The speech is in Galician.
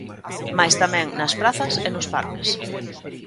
Mais tamén nas prazas e nos parques.